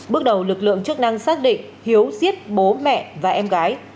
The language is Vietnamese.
bước đầu lực lượng chức năng xác định hiếu giết bố mẹ và em gái